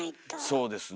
そうですねえ。